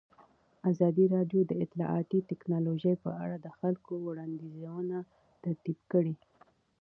ازادي راډیو د اطلاعاتی تکنالوژي په اړه د خلکو وړاندیزونه ترتیب کړي.